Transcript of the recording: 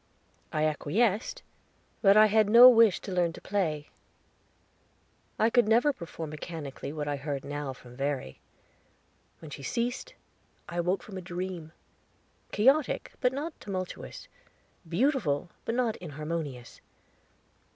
I acquiesced, but I had no wish to learn to play. I could never perform mechanically what I heard now from Verry. When she ceased, I woke from a dream, chaotic, but not tumultuous, beautiful, but inharmonious.